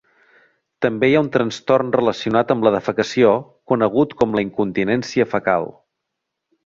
També hi ha un trastorn relacionat amb la defecació conegut com la incontinència fecal.